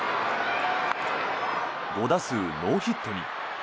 ５打数ノーヒットに。